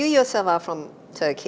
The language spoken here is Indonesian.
kamu sendiri dari turki